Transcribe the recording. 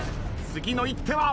次の一手は。